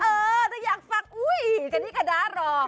เออถ้าอยากฟังอุ้ยกะดี้กะด๊าหรอ